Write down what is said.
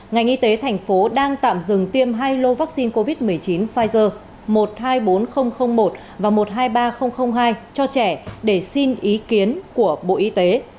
ngành y tế thành phố đang tạm dừng tiêm hai lô vaccine covid một mươi chín pfizer một trăm hai mươi bốn nghìn một và một trăm hai mươi ba nghìn hai cho trẻ để xin ý kiến của bộ y tế